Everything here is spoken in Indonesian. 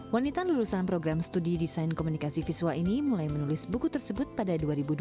wanita lulusan program studi desain komunikasi visual ini mulai menulis buku tersebut pada dua ribu dua belas